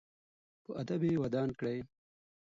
په ادب یې ودان کړئ.